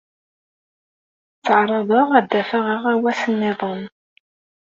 Tteɛṛaḍeɣ ad d-afeɣ aɣawas-nniḍen.